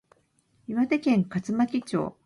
岩手県葛巻町